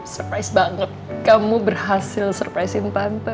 surprise banget kamu berhasil surprisein tante